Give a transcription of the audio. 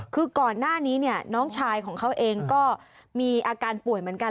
คือก่อนหน้านี้เนี่ยน้องชายของเขาเองก็มีอาการป่วยเหมือนกัน